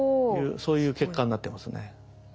そういう結果になってますね。